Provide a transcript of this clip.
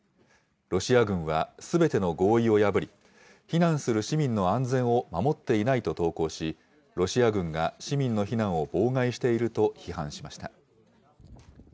ロシア軍はすべての合意を破り、避難する市民の安全を守っていないと投稿し、ロシア軍が市民の避難を妨害していると批判しました。